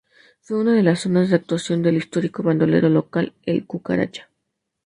Fue una de las zonas de actuación del histórico bandolero local El Cucaracha.